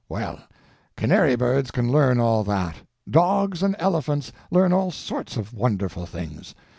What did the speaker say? Well, canary birds can learn all that; dogs and elephants learn all sorts of wonderful things.